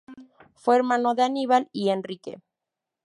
Fue hermano de Aníbal y Enrique.